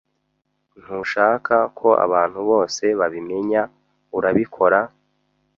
Ntushaka ko abantu bose babimenya, urabikora, ?